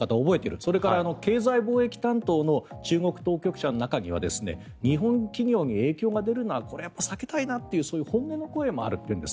それから経済貿易担当の中国当局者の中には日本企業に影響が出るのは避けたいなという本音の声もあるというんです。